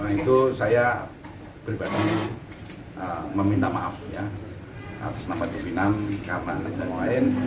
itu saya pribadi meminta maaf ya harus nampak kepinan karena hal ini dan lain